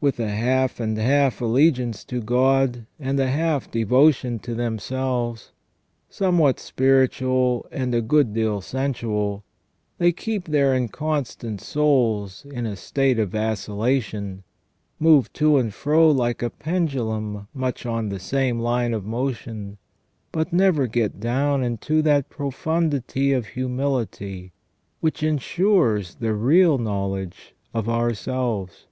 With a half and half allegiance to God, and a half devotion to themselves, somewhat spiritual and a good deal sensual, they keep their inconstant souls in a state of vacillation, move to and fro like a pendulum much on the same line of motion, but never get down into that profundity of humility which ensures the real knowledge of ourselves.